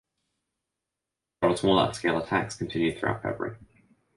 Several smaller scale attacks continued throughout February.